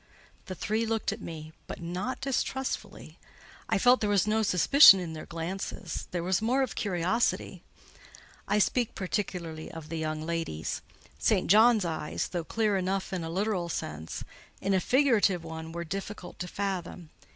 The three looked at me, but not distrustfully; I felt there was no suspicion in their glances: there was more of curiosity. I speak particularly of the young ladies. St. John's eyes, though clear enough in a literal sense, in a figurative one were difficult to fathom.